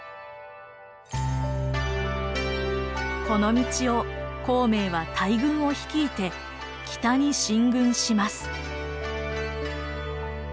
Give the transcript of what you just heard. この道を孔明は大軍を率いて北に進軍します。